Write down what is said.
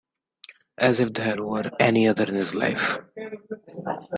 As if there were any other in his life!